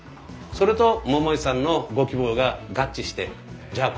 それと桃井さんのご希望が合致してじゃあ